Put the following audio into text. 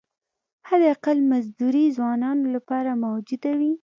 حداقل مزدوري ځوانانو لپاره موجوده وي.